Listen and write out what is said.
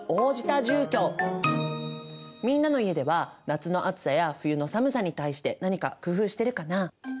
みんなの家では夏の暑さや冬の寒さに対して何か工夫してるかな？